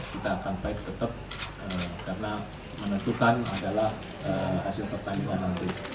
kita akan baik tetap karena menentukan adalah